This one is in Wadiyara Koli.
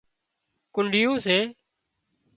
ڪنڍيون سي